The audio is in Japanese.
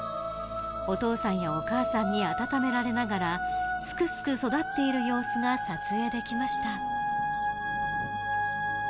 お父さんやお母さんに温められながらすくすく育っている様子が撮影できました。